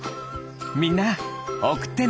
みんなおくってね！